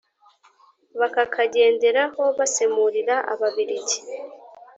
bakakagenderaho basemurira ababiligi